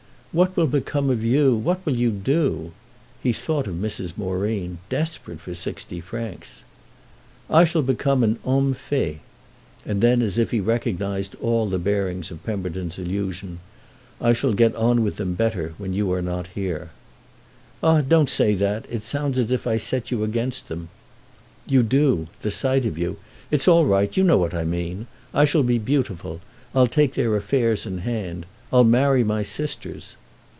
"What will become of you, what will you do?" He thought of Mrs. Moreen, desperate for sixty francs. "I shall become an homme fait." And then as if he recognised all the bearings of Pemberton's allusion: "I shall get on with them better when you're not here." "Ah don't say that—it sounds as if I set you against them!" "You do—the sight of you. It's all right; you know what I mean. I shall be beautiful. I'll take their affairs in hand; I'll marry my sisters."